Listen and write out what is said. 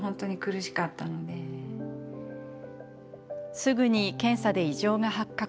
すぐに検査で異常が発覚。